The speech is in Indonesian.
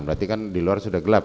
berarti kan di luar sudah gelap